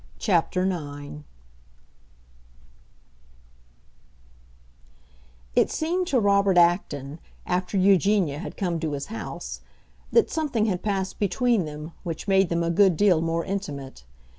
CHAPTER IX It seemed to Robert Acton, after Eugenia had come to his house, that something had passed between them which made them a good deal more intimate.